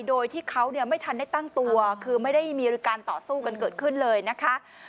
โดยที่เขาไม่ทันได้ตั้งตัวคือไม่ได้มีการต่อสู้กันเกิดขึ้นเลยนะคะ